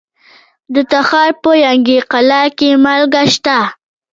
د تخار په ینګي قلعه کې مالګه شته.